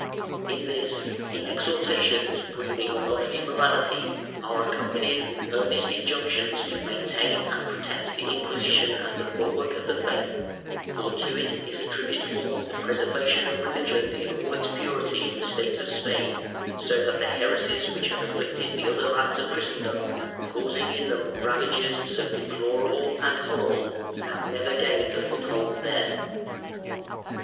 In this the exhor tations breathing a lofty morality are accompanied with earnest injunctions to maintain and protect the Inciuisition, as the bul wark of the faith, for to it is attributable the preservation of religion in all its purity in the states of Spain, so that the heresies which have afflicted the other lands of Christendom, causing in them ravages so deplorable and horrible, have never gained a foothold there.